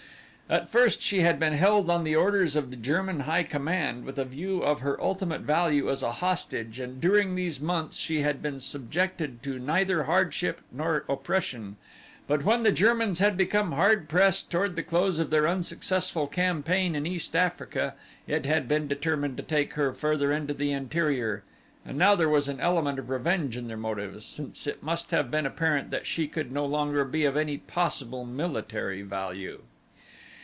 At first she had been held on the orders of the German High Command with a view of her ultimate value as a hostage and during these months she had been subjected to neither hardship nor oppression, but when the Germans had become hard pressed toward the close of their unsuccessful campaign in East Africa it had been determined to take her further into the interior and now there was an element of revenge in their motives, since it must have been apparent that she could no longer be of any possible military value.